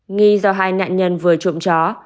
nghi do hai nạn nhân vừa trộm chó